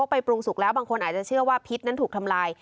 ไปปรุงสุกแล้วบางคนอาจจะเชื่อว่าพิษนั้นถูกทำลาย